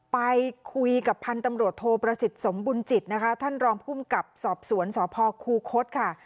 ไปคุยกับพันธุ์ตำรวจโทประสิทธิ์สมบุญจิตนะคะท่านรองภูมิกับสอบสวนสพคูคศค่ะ